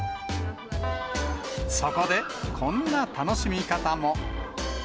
そこでこんな楽しみ方も。